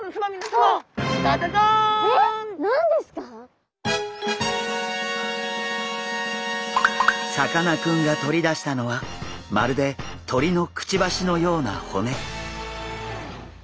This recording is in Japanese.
さかなクンが取り出したのはまるで鳥のくちばしのような骨。